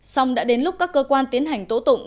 xong đã đến lúc các cơ quan tiến hành tố tụng